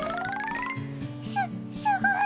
すすごい！